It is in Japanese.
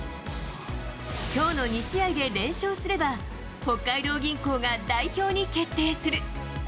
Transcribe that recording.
今日の２試合で連勝すれば北海道銀行が代表に決定する。